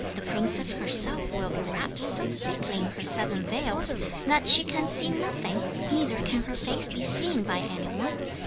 The princess herself will be wrapped so thickly in her seven veils that she can see nothing, neither can her face be seen by anyone.